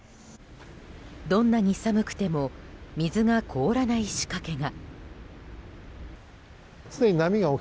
どんなに寒くても水が凍らない仕掛けが。